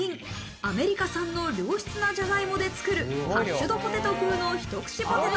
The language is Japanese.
アメリカ産の良質なジャガイモで作るハッシュドポテト風のひと口ポテト。